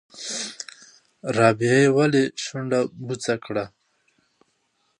رابعې ولې شونډه بوڅه کړه؟